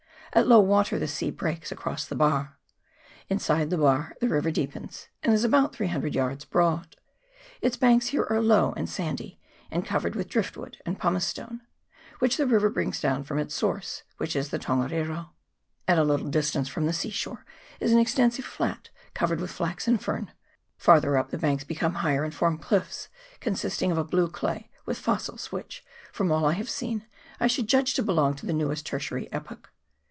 At low water the sea breaks across the bar. Inside the bar the river deepens, and is about 300 yards broad. Its banks here are low and sandy, and covered with driftwood and pumicestone, which the river brings down from its source, which is in the Tongariro. CHAP. VI.] WANGANUI RIVER. 129 At a little distance from the sea shore is an exten sive flat covered with flax and fern ; farther up the banks become higher, and form cliffs consisting of a blue clay, with fossils, which, from all I have seen, I should judge to belong to the newest tertiary epoch.